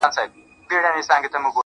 چي پكښي خوند پروت وي,